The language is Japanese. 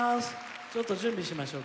ちょっと準備しましょうか。